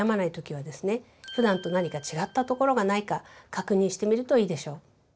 普段と何か違ったところがないか確認してみるといいでしょう。